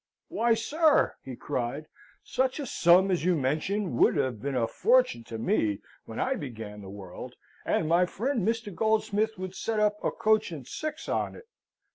"Why, sir!" he cried, "such a sum as you mention would have been a fortune to me when I began the world, and my friend Mr. Goldsmith would set up a coach and six on it.